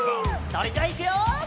それじゃいくよ！